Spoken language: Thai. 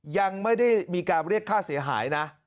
ยังไม่ได้มีการเรียกค่าเสียหายนะ